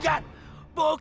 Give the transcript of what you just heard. kalaupun allahmu murka